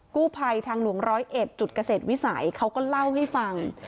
กู้ภัยทางหลวง๑๐๑จุดเกษตรวิสัยเขาก็เล่าให้ฟัง